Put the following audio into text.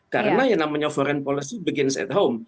karena yang namanya foreign policy begins at home